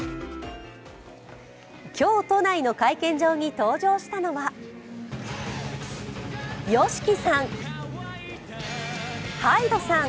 今日、都内の会見場に登場したのはＹＯＳＨＩＫＩさん。